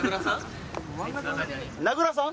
名倉さん？